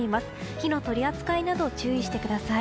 火の取り扱いなど注意してください。